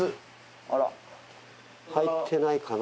あら入ってないかな。